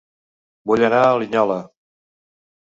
Vull anar a Linyola